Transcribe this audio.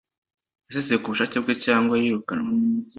yasezeye ku bushake bwe cyangwa yirukanwe?